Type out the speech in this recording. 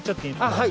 はい。